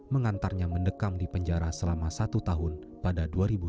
mengantarnya mendekam di penjara selama satu tahun pada dua ribu sepuluh